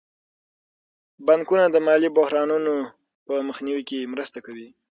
بانکونه د مالي بحرانونو په مخنیوي کې مرسته کوي.